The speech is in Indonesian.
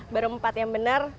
baru empat yang bener